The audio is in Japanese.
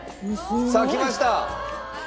さあきました！